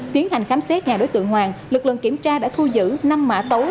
tiến hành khám xét nhà đối tượng hoàng lực lượng kiểm tra đã thu giữ năm mã tấu